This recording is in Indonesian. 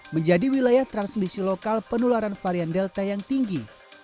menjadi wilayah transmisi lokal penularan varian delta yang tinggi